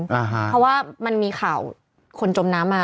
เพราะว่ามันมีข่าวคนจมน้ำมา